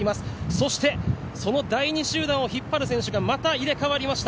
そしてその第２集団を引っ張る選手がまた入れかわりました。